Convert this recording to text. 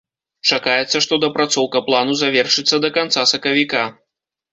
Чакаецца, што дапрацоўка плану завершыцца да канца сакавіка.